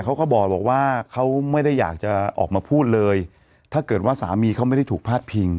เขาก็บอกว่าเขาไม่ได้อยากจะออกมาพูดเลยถ้าเกิดว่าสามีเขาไม่ได้ถูกพลาดพิง